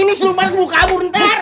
ini siluman buka burung ntar